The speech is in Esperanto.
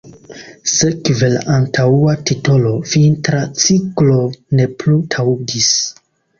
Sekve la antaŭa titolo „Vintra Ciklo" ne plu taŭgis.